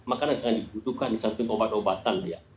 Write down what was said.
makanan yang sangat dibutuhkan di samping obat obatan ya